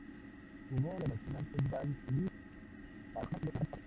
Jugó en la National Football League para los Giants y los Green Bay Packers.